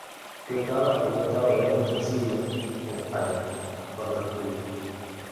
Yo estaba en un estado de ánimo sensible en España, cuando lo escribí.